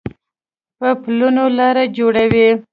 په پلونو لار جوړوي